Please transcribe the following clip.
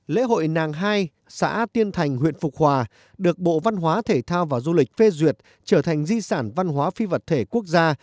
lễ hội nàng hai xã tiên thành huyện phục hòa được bộ văn hóa thể thao và du lịch phê duyệt trở thành di sản văn hóa phi vật thể quốc gia